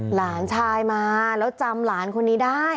หลานชายมาแล้วจำหลานคนนี้ได้